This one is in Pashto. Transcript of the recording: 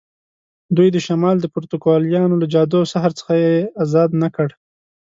دوی د شمال د پروتوکولیانو له جادو او سحر څخه یې آزاد نه کړ.